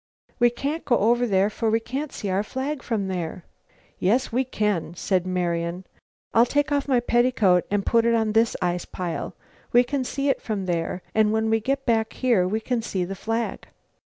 "We can't go over there, for we can't see our flag from there." "Yes, we can," said Marian. "I'll take off my petticoat and put it on this ice pile. We can see it from there, and when we get back here we can see the flag."